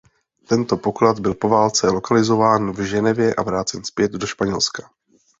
Tento poklad byl po válce lokalizován v Ženevě a vrácen zpět do Španělska.